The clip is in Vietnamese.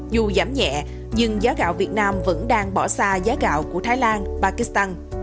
dù giảm nhẹ nhưng giá gạo việt nam vẫn đang bỏ xa giá gạo của thái lan pakistan